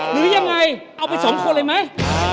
หรือยังไงเอาไปสองคนเลยไหม